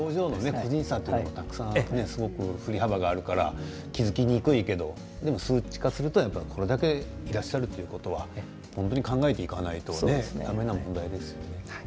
個人差もね振り幅もあるから気付きにくいけど数値化するとこれだけいらっしゃるということは本当に考えていかないとだめな問題ですね。